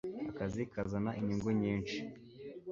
Akazi kazana inyungu nyinshi.